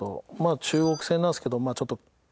中国戦なんですけどまあちょっと。